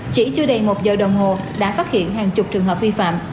chỉ chưa đầy một giờ đồng hồ đã phát hiện hàng chục trường hợp vi phạm